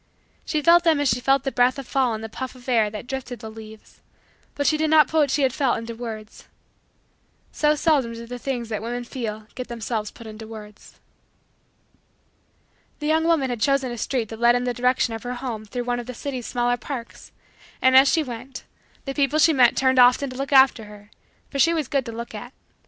She felt them as she felt the breath of fall in the puff of air that drifted the leaves: but she did not put what she felt into words. So seldom do the things that women feel get themselves put into words. The young woman had chosen a street that led in the direction of her home through one of the city's smaller parks, and, as she went, the people she met turned often to look after her for she was good to look at.